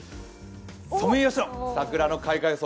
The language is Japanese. ソメイヨシノ、桜の開花予想。